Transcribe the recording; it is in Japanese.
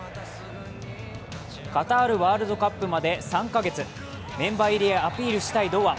カタールワールドカップまで３カ月メンバー入りへアピールしたい堂安。